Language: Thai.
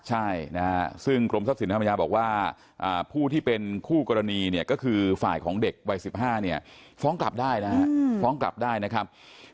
ใช่ซึ่งกรมทรัพย์ศิลป์ธรรมยาบอกว่าผู้ที่เป็นคู่กรณีก็คือฝ่ายของเด็กวัย๑๕ฟ้องกลับได้นะครับ